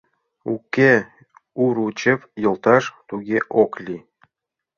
— Уке, Уручев йолташ, туге ок лий.